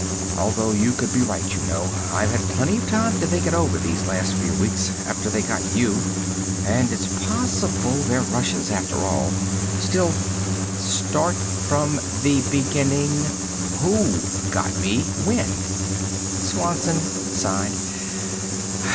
Although you could be right, you know; I've had plenty of time to think it over these last few weeks, after they got you, and it's possible they're Russians after all. Still " "Start from the beginning. Who got me when?" Swanson sighed.